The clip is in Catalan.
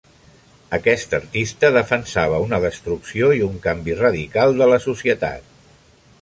Aquest artista defensava una destrucció i un canvi radical de la societat.